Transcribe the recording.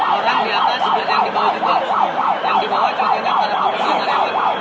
orang di atas yang dibawa juga yang dibawa contohnya adalah pembunuhan yang baik